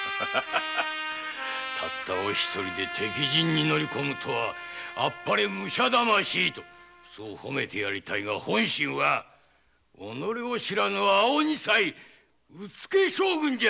たった一人で敵陣に乗り込むとはあっぱれ武者魂と褒めてやりたいが本心は己を知らぬ青二才うつけ将軍じゃ！